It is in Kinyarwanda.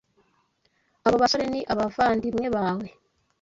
Abo basore ni abavandimwe bawe?